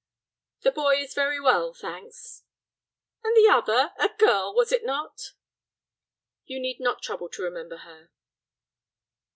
"The boy is very well, thanks." "And the other—a girl, was it not?" "You need not trouble to remember her."